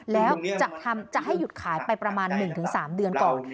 แล้วจะให้หยุดขายไปประมาณ๑๓เดือนก่อน